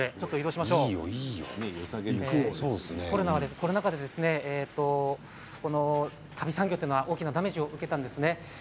コロナ禍で足袋産業は大きなダメージを受けたんですね。